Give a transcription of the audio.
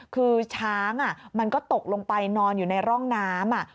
คือช้างมันก็ตกลงไปนอนอยู่ในร่องน้ำ